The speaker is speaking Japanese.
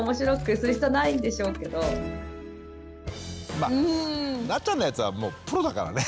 まっなっちゃんのやつはもうプロだからね。